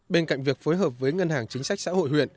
bên cạnh việc phối hợp với ngân hàng chính sách xã hội huyện